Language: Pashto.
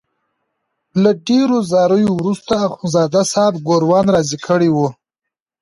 له ډېرو زاریو وروسته اخندزاده صاحب ګوروان راضي کړی وو.